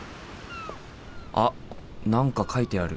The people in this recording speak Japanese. あっ何か書いてある。